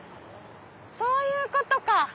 そういうことか！